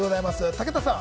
武田さん